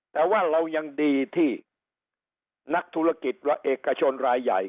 แต่ว่าเรายังดีที่นักธุรกิจและเอกชนรายใหญ่